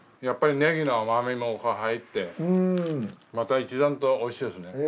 やっぱりねぎの甘みも入ってまた一段と美味しいですね。